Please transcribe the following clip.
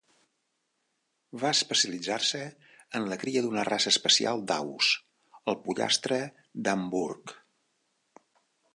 Va especialitzar-se en la cria d'una raça especial d'aus, el pollastre d'Hamburg.